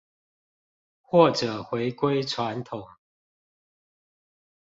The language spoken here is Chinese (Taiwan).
或者回歸傳統